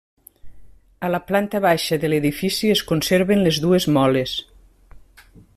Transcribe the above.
A la planta baixa de l'edifici es conserven les dues moles.